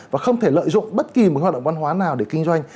và không thể lợi dụng bất kỳ một hoạt động văn hóa nào để kinh doanh